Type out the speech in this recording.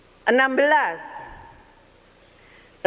enam belas rakyat kernas lima partai telah memperbaiki perusahaan negara